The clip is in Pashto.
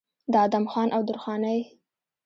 د ادم خان او درخانۍ